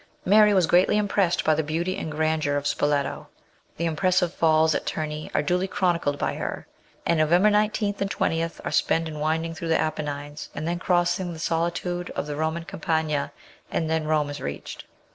Mary was greatly impressed by the beauty and gran deur of Spoleto. The impressive falls at Terui are duly chronicled by her; and November 19 and 20 are spent in winding through the Apennines, and then crossing the solitude of the Eoman Campagna, and then Rome is reached.